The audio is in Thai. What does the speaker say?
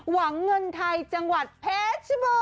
หวังเงินไทยจังหวัดแพทย์บอร์